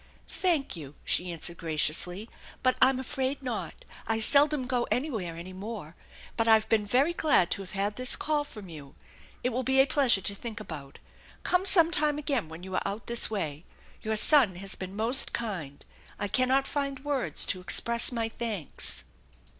" Thank you," she answered graciously, " I'm afraid not. I seldom go anywhere any more. But I've been very glad to have had this call from you. It will be a pleasure to think about. Come sometime again when you are out this way. Your son has been most kind. I cannot find words to express my thanks."